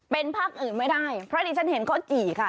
เป็นภาคอื่นไม่ได้เพราะดิฉันเห็นข้าวจี่ค่ะ